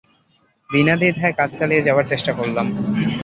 বিনা দ্বিধায় কাজ চালিয়ে যাবার চেষ্টা করলাম।